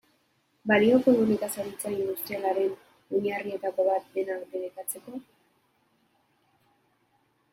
Balioko du nekazaritza industrialaren oinarrietako bat dena debekatzeko?